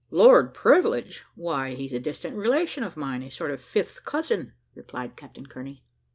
"Lord Privilege! why he's a distant relation of mine, a sort of fifth cousin," replied Captain Kearney.